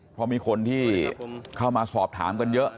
เพราะมีคนที่เข้ามาสอบถามกันเยอะ